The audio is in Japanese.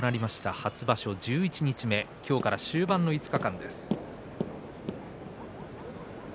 初場所十一日目今日から終盤の５日間です。